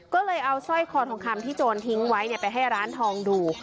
ก็เลยเอาสร้อยคอทองคำที่โจรทิ้งไว้ไปให้ร้านทองดู